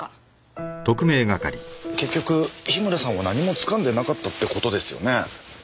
結局樋村さんは何もつかんでなかったって事ですよね。